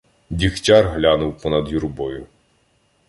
Дігтяр глянув понад юрбою.